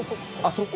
そこ？